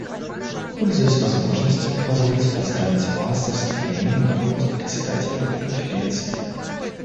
Пользуясь возможностью, позвольте поздравить Вас со вступлением на пост Председателя Конференции.